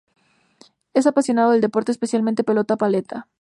Es apasionado del deporte, especialmente pelota paleta.